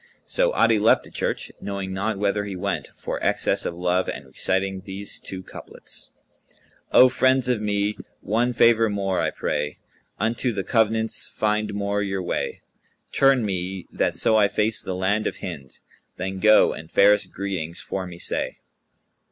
So Adi left the church, knowing not whither he went, for excess of love, and reciting these two couplets, "O friends of me, one favour more I pray: * Unto the convents[FN#180] find more your way: Turn me that so I face the land of Hind; * Then go, and fairest greetings for me say."